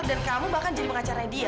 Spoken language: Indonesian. dan kamu bahkan jadi pengacaranya dia